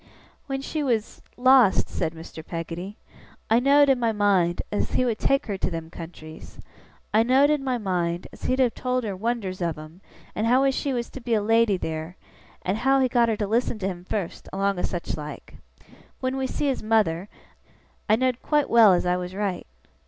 'When she was lost,' said Mr. Peggotty, 'I know'd in my mind, as he would take her to them countries. I know'd in my mind, as he'd have told her wonders of 'em, and how she was to be a lady theer, and how he got her to listen to him fust, along o' sech like. When we see his mother, I know'd quite well as I was right.